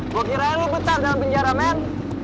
gue kira lo betar dalam penjara men